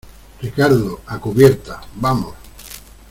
Ricardo, a cubierta. ¡ vamos!